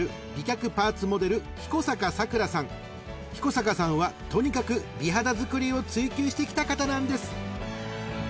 ［彦坂さんはとにかく美肌づくりを追求してきた方なんです］